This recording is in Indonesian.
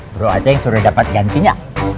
bro aceh yang suruh dapet gantinya